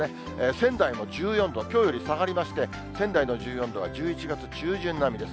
仙台も１４度、きょうより下がりまして、仙台の１４度は、１１月中旬並みです。